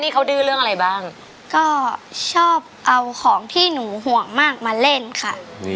ก็ชอบเอาของที่หนูห่วงมากมาเล่นค่ะ